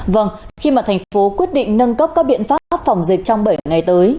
vâng khi mà thành phố quyết định nâng cấp các biện pháp phòng dịch trong bảy ngày tới